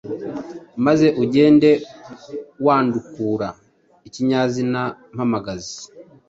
maze ugende wandukura ikinyazina mpamagazi,